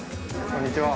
こんにちは。